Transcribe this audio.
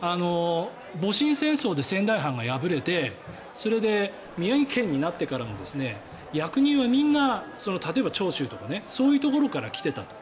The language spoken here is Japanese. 戊辰戦争で仙台藩が敗れてそれで宮城県になってからも役人はみんな例えば長州とかそういうところから来ていたと。